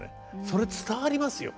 それ伝わりますよ。